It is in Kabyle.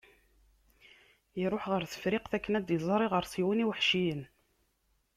Iruḥ ɣer Tefriqt akken ad d-iẓer iɣersiwen iweḥciyen.